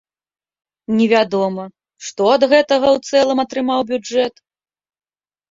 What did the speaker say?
Невядома, што ад гэтага ў цэлым атрымаў бюджэт.